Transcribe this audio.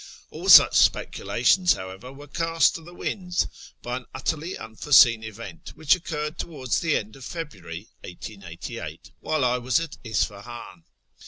All such speculations, however, were cast to the winds by an utterly unforeseen event which occurred towards the end of February 1888, while I was at Isfahan.